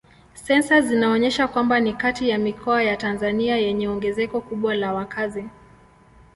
Sensa zinaonyesha kwamba ni kati ya mikoa ya Tanzania yenye ongezeko kubwa la wakazi.